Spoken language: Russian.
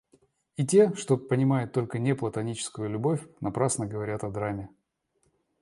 И те, что понимают только неплатоническую любовь, напрасно говорят о драме.